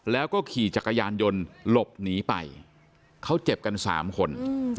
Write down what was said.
แล้วก็ขี่จักรยานยนต์หลบหนีไปเขาเจ็บกันสามคน